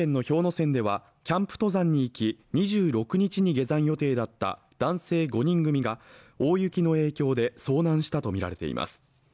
山ではキャンプ登山に行き２６日に下山予定だった男性５人組が大雪の影響で遭難したとみられています。